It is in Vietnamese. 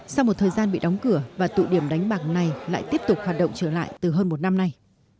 sau một thời gian bị đóng cửa và tụ điểm đánh bạc này lại tiếp tục hoạt động trở lại từ hơn một năm nay